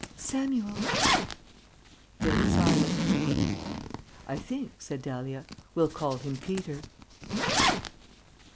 "Samuel!" Dead silence. "I think," said Dahlia, "we'll call him Peter."